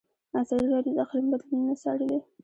ازادي راډیو د اقلیم بدلونونه څارلي.